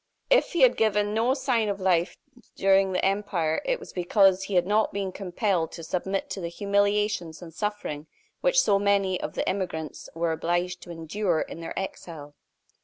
If he had given no sign of life during the empire, it was because he had not been compelled to submit to the humiliations and suffering which so many of the emigrants were obliged to endure in their exile.